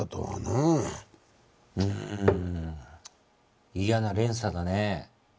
うーん嫌な連鎖だね。